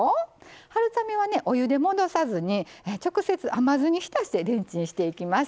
春雨はねお湯で戻さずに直接甘酢に浸してレンチンしていきます。